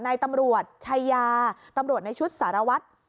นายตำรวจชายาตำรวจในชุดสารวัตร